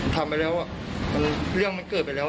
ทำไปแล้วเรื่องมันเกิดไปแล้ว